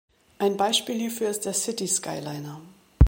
Ein Beispiel hierfür ist der City Skyliner.